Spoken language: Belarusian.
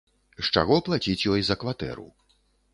З чаго плаціць ёй за кватэру.